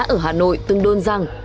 ở hà nội từng đôn rằng